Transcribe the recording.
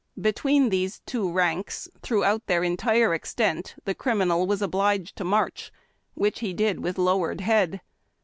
Between these ranks, throughout their entire extent, the criminal was obliged to march, which he did with lowered head.